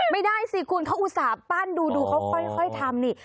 ไม่ได้สิคุณเขาอุตส่าห์ปั้นดูเขาค่อยทำนี่